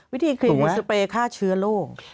วิธีคือสเปรย์ฆ่าเชื้อโรค